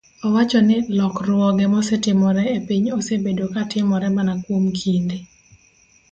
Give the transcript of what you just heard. owacho ni lokruoge mosetimore e piny osebedo ka timore mana kuom kinde